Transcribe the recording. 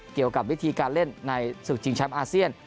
เกี่ยวกับวิธีการเล่นในสุขจิงช้ำอาเซียน